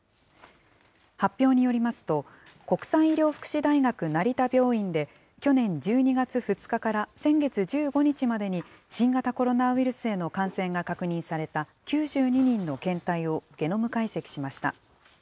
発表によりますと、国際医療福祉大学成田病院で、去年１２月２日から先月１５日までに、新型コロナウイルスへの感染が確認された９２人の検体をゲノム解析しました。